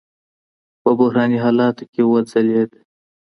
په بحراني حالاتو کي وځلېد